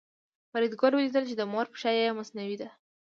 فریدګل ولیدل چې د مور پښه یې مصنوعي ده